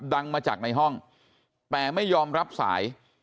ดังมาจากในห้องแต่ไม่ยอมรับสาย